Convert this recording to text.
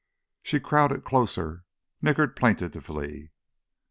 She crowded closer, nickered plaintively.